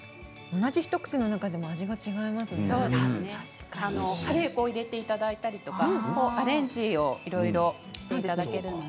同じ一口の中でもカレー粉を入れていただいたりアレンジをいろいろしていただけるので。